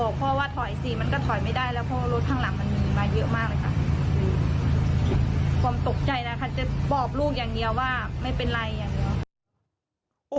ความตกใจนะคะจะบอกลูกอย่างเดียวว่าไม่เป็นไรอย่างเดียว